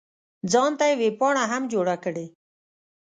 ځان ته یې ویبپاڼه هم جوړه کړې.